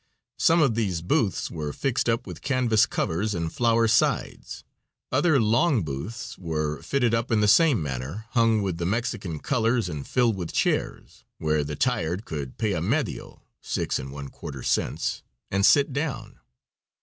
Some of these booths were fixed up with canvas covers and flower sides; other long booths were fitted up in the same manner, hung with the Mexican colors and filled with chairs, where the tired could pay a medio (six and one quarter cents) and sit down.